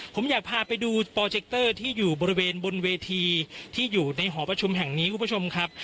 ผมอยากพาไปดูโปรเจคเตอร์ที่อยู่บริเวณบนเวทีที่อยู่ในหอประชุมแห่งนี้คุณผู้ชมครับ